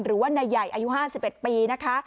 หรือว่านายใหญ่อายุ๕๑ปีนะคะ